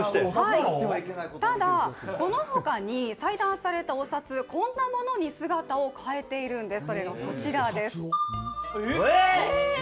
ただ、このほかに裁断されたお札、こんなものに姿を変えているんです。